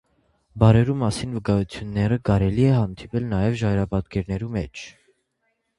Պարերու մասին վկայութիւններու կարելի է հանդիպիլ նաեւ ժայռապատկերներու մէջ։